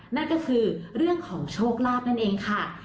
นั่นก็คือเรื่องของโชคลาภนั่นเองค่ะ